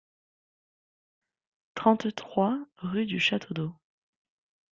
trente-trois rue du Château d'Ô